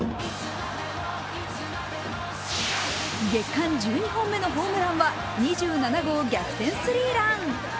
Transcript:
月間１２本目のホームランは２７号逆転スリーラン。